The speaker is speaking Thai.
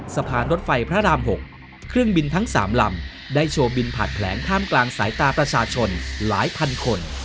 สะพานรถไฟพระราม๖เครื่องบินทั้ง๓ลำได้โชว์บินผ่านแผลงท่ามกลางสายตาประชาชนหลายพันคน